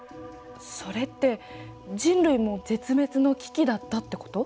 それって人類も絶滅の危機だったってこと？